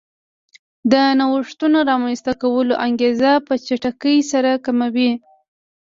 د نوښتونو رامنځته کولو انګېزه په چټکۍ سره کموي